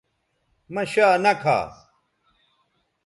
مہ شا نہ کھا